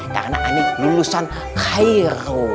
karena aneh lulusan khairul